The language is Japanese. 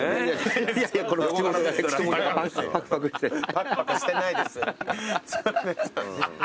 パクパクしてないです。